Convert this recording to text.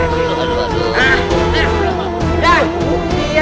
bu mandate masih hidup dia